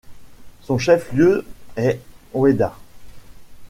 Son chef-lieu est Weda.